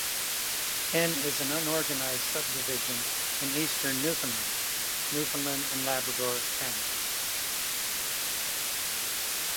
N is an unorganized subdivision in eastern Newfoundland, Newfoundland and Labrador, Canada.